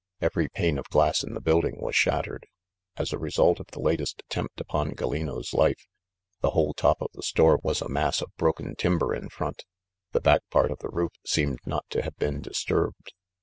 Every pane of glass in the building was shattered. As a result of the latest attempt upon Gallino's life, the whole top of the store was a mass of broken timber in front; the back part of the roof seemed not to have been dis turbed.